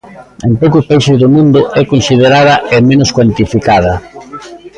En poucos países do mundo é considerada e menos cuantificada.